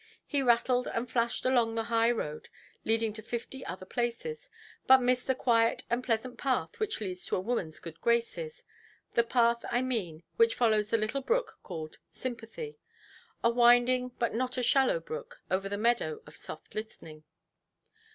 He rattled and flashed along the high road leading to fifty other places, but missed the quiet and pleasant path which leads to a womanʼs good graces—the path, I mean, which follows the little brook called "sympathy", a winding but not a shallow brook, over the meadow of soft listening.